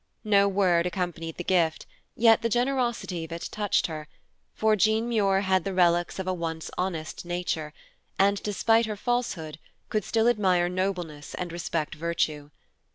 No word accompanied the gift, yet the generosity of it touched her, for Jean Muir had the relics of a once honest nature, and despite her falsehood could still admire nobleness and respect virtue.